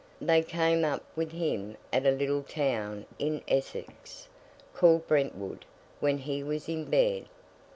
They came up with him at a little town in Essex, called Brentwood, when he was in bed.